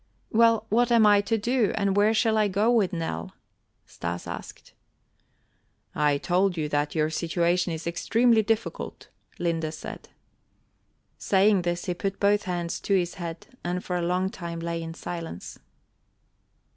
"Well, what am I to do, and where shall I go with Nell?" Stas asked. "I told you that your situation is extremely difficult," Linde said. Saying this he put both hands to his head and for a long time lay in silence.